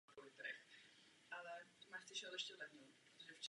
Tuto první významnou definici provedl slavný americký sociolog Robert Merton.